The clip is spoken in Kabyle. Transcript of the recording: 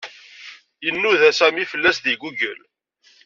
Inuda Sami fell-as deg Google.